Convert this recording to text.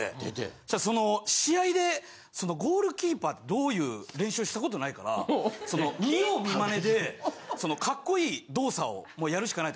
したらその試合でゴールキーパーってどういう練習したことないから見よう見まねでカッコいい動作をやるしかないと。